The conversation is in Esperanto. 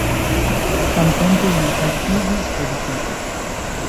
Samtempe, li aktivis politike.